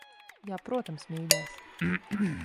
Jā, protams, mīļais.